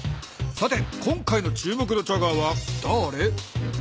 さて今回の注目のチャガーはだーれ？